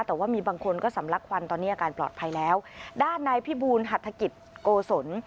แต่ว่ามีบางคนก็สำลักควันตอนนี้อาการปลอดภัยแล้วด้านนายพิบูลหัฐกิจโกศล